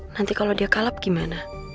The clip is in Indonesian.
nanti kalau dia kalap gimana